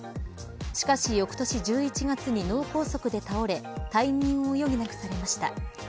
しかし翌年１１月に脳梗塞で倒れ退任を余儀なくされました。